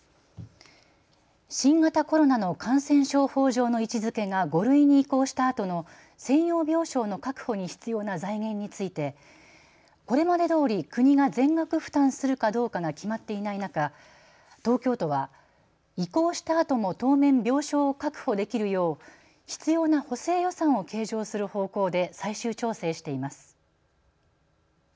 新型コロナの感染症法上の位置づけが５類に移行したあとの専用病床の確保に必要な財源についてこれまでどおり国が全額負担するかどうかが決まっていない中東京都は移行したあとも当面、病床を確保できるよう必要な補正予算を計上する方向で最終調整しています。